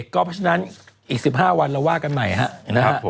ก็เพราะฉะนั้นอีกสิบห้าวันเราว่ากันใหม่ฮะนะฮะ